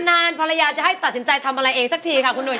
นานภรรยาจะให้ตัดสินใจทำอะไรเองสักทีค่ะคุณหุย